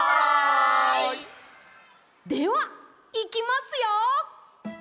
ではいきますよ。